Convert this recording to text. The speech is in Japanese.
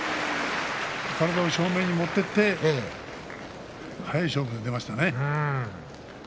体を正面に持っていって早い勝負に出ましたね。